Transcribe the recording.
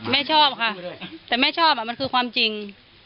แม่ชอบค่ะแต่แม่ชอบมันคือความจริง